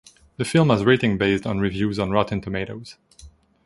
The film has rating based on reviews on Rotten Tomatoes.